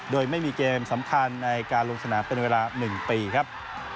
โดยไม่มีเกมสำคัญในการลงสนามเป็นเวลา๑ปีครับ